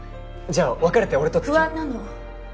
じゃあ別れて俺と不安なの！